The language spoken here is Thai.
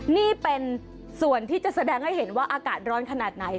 นี่เป็นส่วนที่จะแสดงให้เห็นว่าอากาศร้อนขนาดไหน